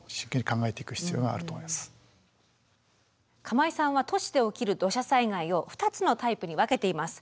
釜井さんは都市で起きる土砂災害を２つのタイプに分けています。